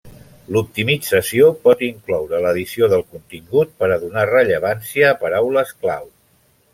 L'optimització pot incloure l'edició del contingut per a donar rellevància a paraules clau.